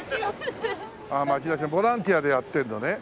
ああ町田市のボランティアでやってるのね。